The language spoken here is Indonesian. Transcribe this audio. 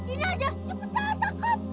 ini aja cepetan takap